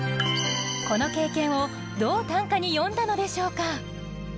この経験をどう短歌に詠んだのでしょうか？